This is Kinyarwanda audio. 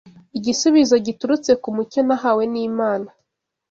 Igisubizo giturutse ku mucyo nahawe n’Imana